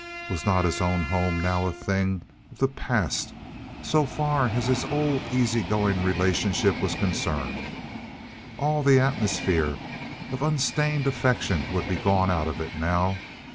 Was not his own home now a thing of the past so far as his old easy going relationship was concerned? All the atmosphere of unstained affection would be gone out of it now.